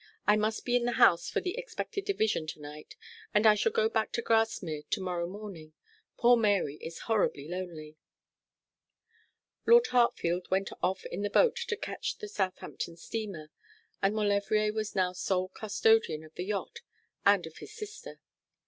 I must be in the House for the expected division to night, and I shall go back to Grasmere to morrow morning. Poor Mary is horribly lonely.' Lord Hartfield went off in the boat to catch the Southampton steamer; and Maulevrier was now sole custodian of the yacht and of his sister.